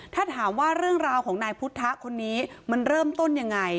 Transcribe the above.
ถ้าถามว่าเรื่องราวของนายพุทธะคนนี้มันเริ่มต้นยังไง